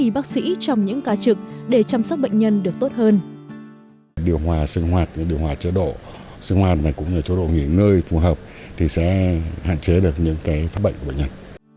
các bệnh nhân cũng có thể giúp bác sĩ trong những ca trực để chăm sóc bệnh nhân được tốt hơn